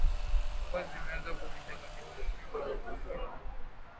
mvua zinaanza kunyesha katika mwezi wa kumi na moja